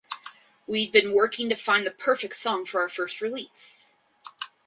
We’d been working to find the perfect song for our first release.